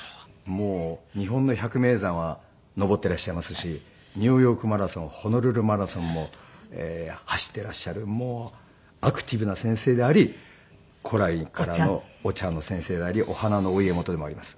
もう日本の百名山は登っていらっしゃいますしニューヨークマラソンホノルルマラソンも走っていらっしゃるもうアクティブな先生であり古来からのお茶の先生でありお花のお家元でもあります。